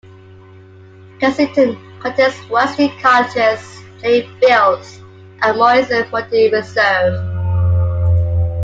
Kensington contains Wesley College's playing fields at Morris Mundy Reserve.